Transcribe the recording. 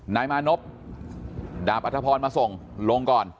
นายมานพดาบอัธพรมาส่งลงก่อน